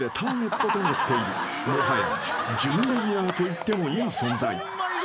［もはや準レギュラーといってもいい存在］